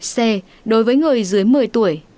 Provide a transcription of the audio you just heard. c đối với người dưới một mươi tuổi